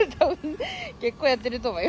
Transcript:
結構やってると思うよ。